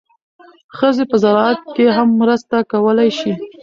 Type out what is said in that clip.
ښځې په زراعت کې هم مرسته کولی شي.